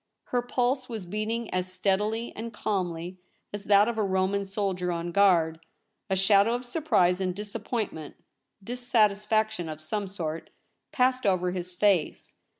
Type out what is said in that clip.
Her pulse was beating as steadily and calmly LITER A SCRIPT A. 239 as that of a Roman soldier on oruard. A shadow of surprise and disappointment — dis satisfaction of some sort — passed over his face.